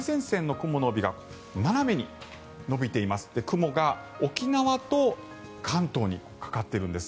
雲が沖縄と関東にかかっているんです。